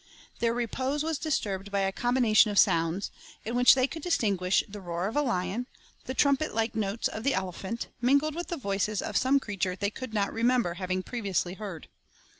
Their repose was disturbed by a combination of sounds, in which they could distinguish the roar of the lion, the trumpet like notes of the elephant, mingled with the voices of some creature they could not remember having previously heard.